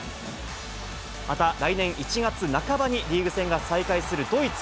また来年１月半ばにリーグ戦が再開するドイツ。